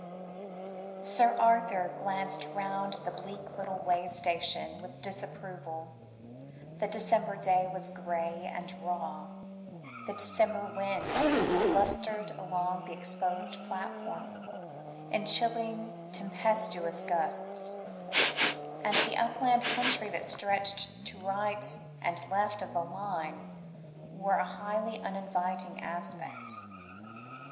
Sir Arthur glanced round the bleak little wayside station with disapproval. The December day was grey and raw; the December wind blustered along the exposed platform, in chilling tempestuous gusts; and the upland country that stretched to right and left of the line, wore a highly uninviting aspect.